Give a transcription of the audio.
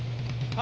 あ！